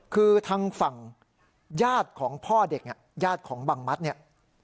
คือทางฝั่งญาติของพ่อเด็กญาติของบังมัดเนี่ย